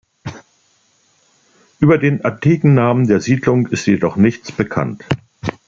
Über den antiken Namen der Siedlung ist jedoch nichts bekannt.